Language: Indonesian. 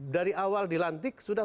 dari awal di lantik sudah